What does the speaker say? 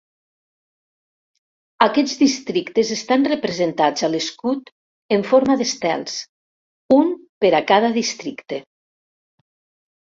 Aquests districtes estan representats a l'escut en forma d'estels, un per a cada districte.